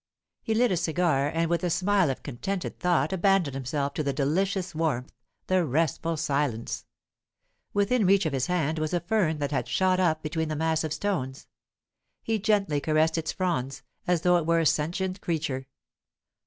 He lit a cigar, and with a smile of contented thought abandoned himself to the delicious warmth, the restful silence. Within reach of his hand was a fern that had shot up between the massive stones; he gently caressed its fronds, as though it were a sentient creature.